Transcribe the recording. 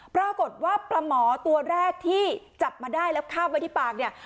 ปรากฏว่าปลาหมอตัวแรกที่จับมาได้แล้วคาบไว้ที่ปากเนี่ย